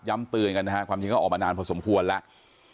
เตือนกันนะฮะความจริงก็ออกมานานพอสมควรแล้ว